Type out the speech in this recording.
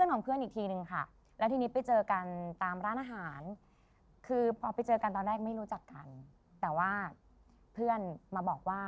มีเวลาคิดธีมเนอะโหว